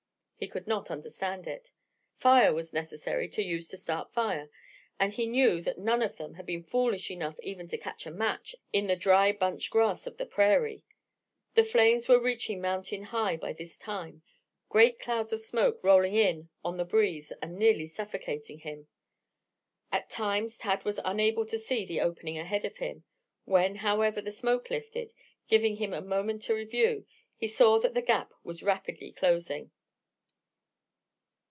He could not understand it. Fire was necessary to use to start fire, and he knew that none of them had been foolish enough even to light a match in the dry bunch grass of the prairie. The flames were reaching mountain high by this time, great clouds of smoke rolling in on the breeze and nearly suffocating him. At times Tad was unable to see the opening ahead of him. When, however, the smoke lifted, giving him a momentary view, he saw that the gap was rapidly closing.